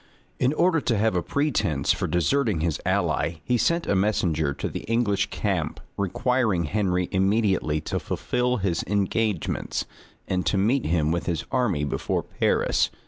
In order to have a pretence for deserting his ally, he sent a messenger to the English camp, requiring Henry immediately to fulfil his engagements, and to meet him with his army before Paris.